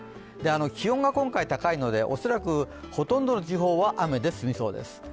気温が今回高いので、恐らくほとんどの地方は雨で済みそうです。